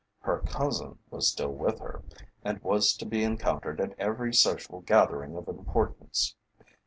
Her cousin was still with her, and was to be encountered at every social gathering of importance.